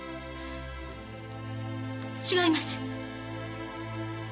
違います。